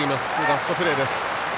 ラストプレーです。